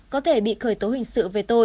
có thể bị khởi tố hình sự về tội